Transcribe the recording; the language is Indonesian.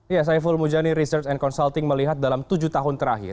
ya saiful mujani research and consulting melihat dalam tujuh tahun terakhir